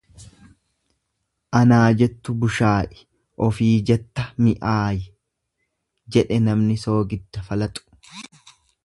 Anaa jettu bushaa'i ofii jetta mi'aayi jedhe namni soogidda falaxu.